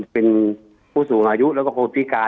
เป็นผู้สูงอายุแล้วก็คนพิการ